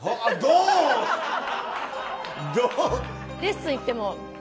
レッスン行っても。